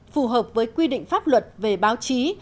phù hợp với quy định pháp luật về báo chí